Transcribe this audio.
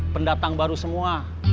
pendatang baru semua